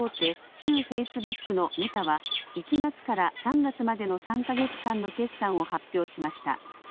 旧フェイスブックのメタは１月から３月までの３か月間の決算を発表しました。